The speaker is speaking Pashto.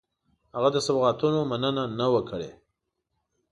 هغه د سوغاتونو مننه نه وه کړې.